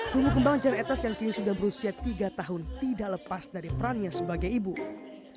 tumuh kembang jan eta yang kini sudah berusia tiga tahun tidak lepas dari perannya seorang ibu rumah tangga